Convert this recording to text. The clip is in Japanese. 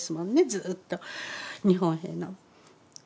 ずっと日本兵の。